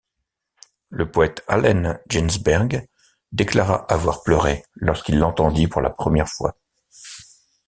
Le poète Allen Ginsberg déclara avoir pleuré lorsqu'il l'entendit pour la première fois.